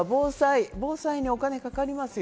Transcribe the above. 防災にお金かかりますよ。